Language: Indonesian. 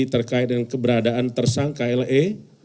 terkait dengan keberadaan tersangka le